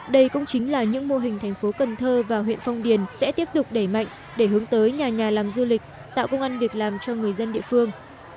đây cũng chính là những mô hình thành phố cần thơ và huyện phong điền sẽ tiếp tục đẩy mạnh để hướng tới nhà nhà làm du lịch tạo công an việc làm cho người dân địa phương